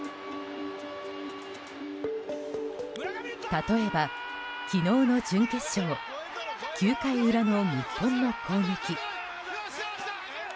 例えば昨日の準決勝９回裏の日本の攻撃。